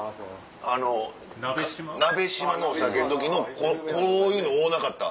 あの鍋島のお酒の時のこういうの多なかった？